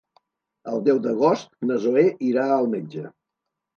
El deu d'agost na Zoè irà al metge.